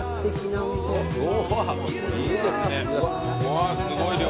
わすごい量。